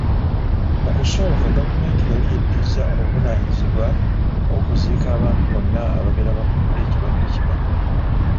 Mu kusooka gavumenti yali yeddizza obuvunaanyizibwa bw'okuziika abantu bonna ababeera bafudde ekirwadde kino.